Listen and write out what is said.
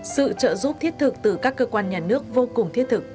sự trợ giúp thiết thực từ các cơ quan nhà nước vô cùng thiết thực